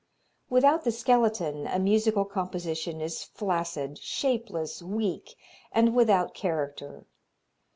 Without the skeleton a musical composition is flaccid, shapeless, weak and without character.